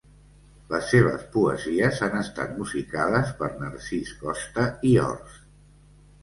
Les seves poesies han estat musicades per Narcís Costa i Horts.